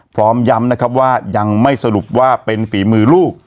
พร้อมย้ำนะครับว่ายังไม่สรุปว่าเป็นฝีมือลูก